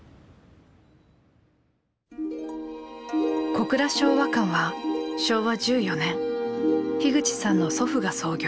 小倉昭和館は昭和１４年口さんの祖父が創業。